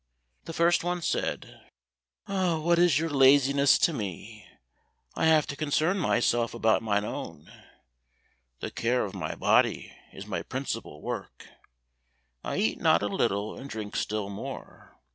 The first said, "What is your laziness to me, I have to concern myself about mine own? The care of my body is my principal work, I eat not a little and drink still more.